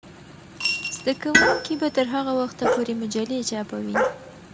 زده کوونکې به تر هغه وخته پورې مجلې چاپوي.